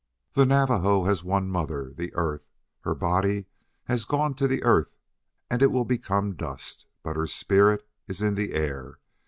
"The Navajo has one mother the earth. Her body has gone to the earth and it will become dust. But her spirit is in the air.